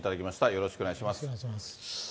よろしくお願いします。